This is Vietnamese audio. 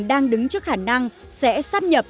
đang đứng trước khả năng sẽ sắp nhập